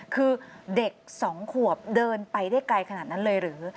คือเด็ก๒ขวบเดินไปได้ไกลขนาดนั้นเลยหรือ